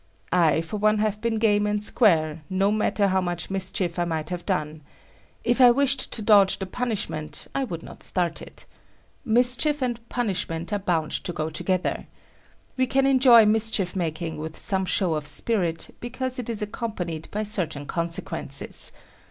I, for one have been game and square, no matter how much mischief I might have done. If I wished to dodge the punishment, I would not start it. Mischief and punishment are bound to go together. We can enjoy mischief making with some show of spirit because it is accompanied by certain consequences.